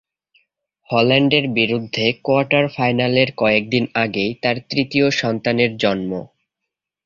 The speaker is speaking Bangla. হল্যান্ডের বিরুদ্ধে কোয়ার্টার ফাইনালের কয়েকদিন আগেই তার তৃতীয় সন্তানের জন্ম।